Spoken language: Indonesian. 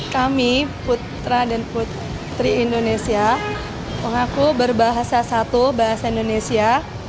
kami putra dan putri indonesia mengaku berbahasa satu bahasa indonesia